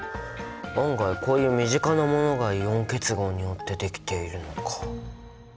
案外こういう身近なものがイオン結合によってできているのか。